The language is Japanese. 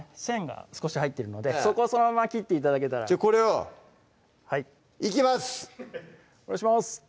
線が少し入ってるのでそこをそのまま切って頂けたらこれをいきます！